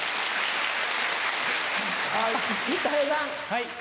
はい。